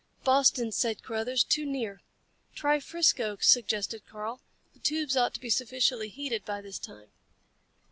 "Boston," said Carruthers. "Too near." "Try Frisco," suggested Karl. "The tubes ought to be sufficiently heated by this time."